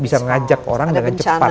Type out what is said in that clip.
bisa ngajak orang dengan cepat kan